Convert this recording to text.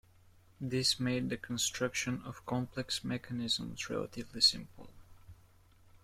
This made the construction of complex mechanisms relatively simple.